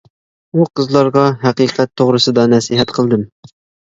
ئۇ قىزلارغا ھەقىقەت توغرىسىدا نەسىھەت قىلدىم.